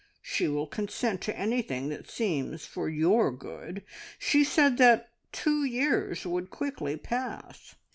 She will consent to anything that seems for your good. She said that two years would quickly pass."